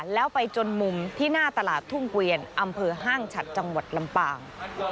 แล้วไปจนมุมที่หน้าตลาดทุ่งเกวียนอำเภอห้างฉัดจังหวัดลำปาง